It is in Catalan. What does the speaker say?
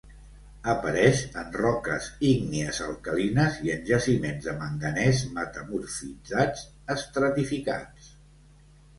Apareix en roques ígnies alcalines i en jaciments de manganès metamorfitzats estratificats.